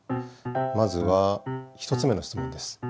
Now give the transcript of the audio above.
まずは１つ目の質問です。